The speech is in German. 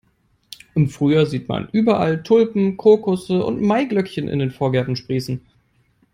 Im Frühjahr sieht man überall Tulpen, Krokusse und Maiglöckchen in den Vorgärten sprießen.